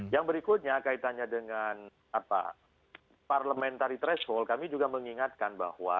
yang berikutnya kaitannya dengan parliamentary threshold kami juga mengingatkan bahwa